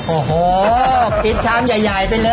โอ้โหกินชามใหญ่ไปเลย